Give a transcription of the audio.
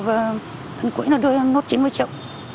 và cuối là đưa em nốt chín mươi triệu